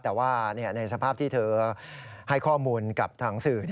แต่ว่าในสภาพที่เธอให้ข้อมูลกับทางสื่อ